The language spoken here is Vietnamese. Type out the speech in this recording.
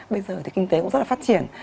bây giờ thì kinh tế cũng rất là phát triển